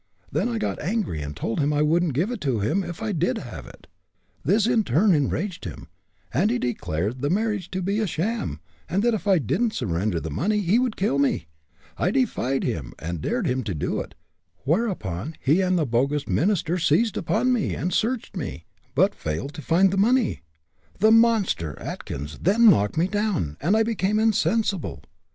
Then I got angry and told him I wouldn't give it to him, if I did have it. This in turn enraged him, and he declared the marriage to be a sham, and that if I didn't surrender the money he would kill me. I defied him, and dared him to do it, whereupon he and the bogus minister seized upon me, and searched me, but failed to find the money. The monster, Atkins, then knocked me down, and I became insensible.